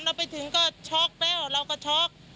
เราไปถึงก็ช็อกแล้วเราก็ช็อก